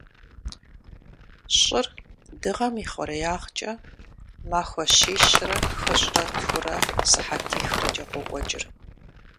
Щӏыр Дыгъэм и хъуреягъкӏэ махуэ щищрэ хыщӏрэ тхурэ сыхьэтихрэкӏэ къокӏуэкӏыр.